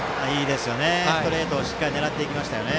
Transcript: ストレートをしっかり狙っていきましたね。